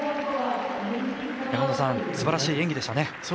すばらしい演技でしたね。